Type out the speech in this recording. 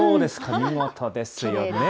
見事ですよね。